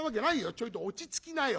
ちょいと落ち着きなよ。